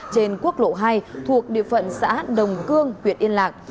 trên quốc lộ hai thuộc địa phận xã đồng cương huyện yên lạc